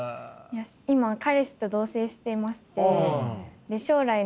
今彼氏と同棲していまして。